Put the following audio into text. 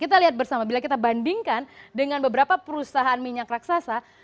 kita lihat bersama bila kita bandingkan dengan beberapa perusahaan minyak raksasa